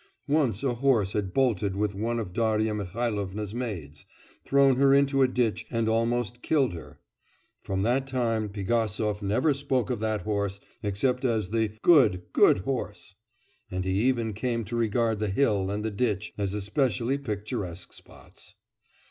Once a horse had bolted with one of Darya Mihailovna's maids, thrown her into a ditch and almost killed her. From that time Pigasov never spoke of that horse except as the 'good, good horse,' and he even came to regard the hill and the ditch as specially picturesque spots.